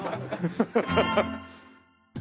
ハハハハ！